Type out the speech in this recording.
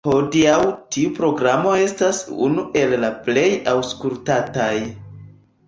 Hodiaŭ tiu programo estas unu el la plej aŭskultataj.